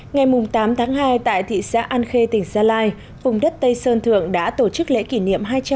ngày tám tháng hai tại thị xã an khê tỉnh gia lai vùng đất tây sơn thượng đã tổ chức lễ kỷ niệm